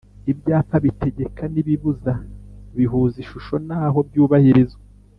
Ibyapa bitegeka n’ibibuza bihuza ishusho n’aho byubahirizwa